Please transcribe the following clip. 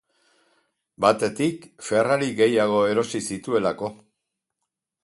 Batetik, Ferrari gehiago erosi zituelako.